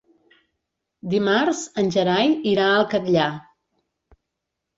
Dimarts en Gerai irà al Catllar.